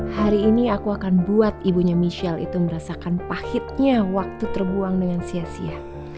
hari ini aku akan buat ibunya michelle itu merasakan pahitnya waktu terbuang dengan sia sia